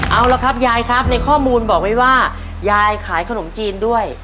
เอาละครับยายครับในข้อมูลบอกไว้ว่ายายขายขนมจีนด้วย